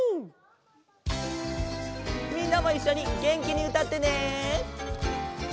みんなもいっしょにげんきにうたってね！